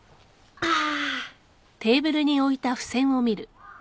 ・ああ。